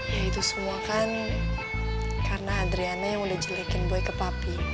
ya itu semua kan karena adriana yang udah jelekin gue ke papi